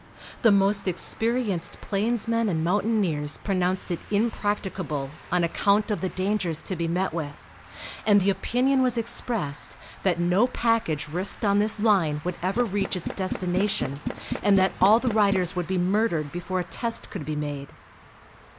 The most experienced plainsmen and mountaineers pronounced it impracticable, on account of the dangers to be met with, and the opinion was expressed that no package risked on this line would ever reach its destination, and that all the riders would be murdered before a test could be made.